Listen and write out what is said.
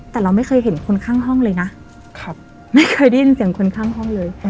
แต่เราไม่เคยเห็นคนข้างห้องเลยนะไม่เคยได้ยินเสียงคนข้างห้องเลย